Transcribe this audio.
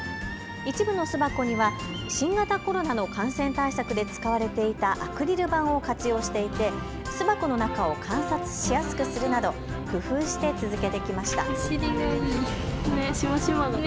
一部の巣箱には新型コロナの感染対策で使われていたアクリル板を活用していて巣箱の中を観察しやすくするなど工夫して続けてきました。